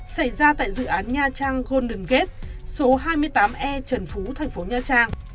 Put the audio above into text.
xảy ra tại dự án nha trang golden gate số hai mươi tám e trần phú thành phố nha trang